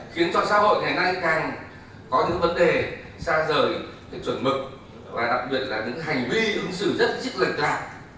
khiến cho xã hội ngày nay càng có những vấn đề xa rời chuẩn mực và đặc biệt là những hành vi ứng xử rất lệch lạc